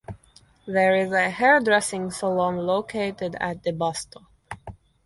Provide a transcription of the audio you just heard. There is a hairdressing salon located at the bus stop.